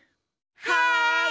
はい。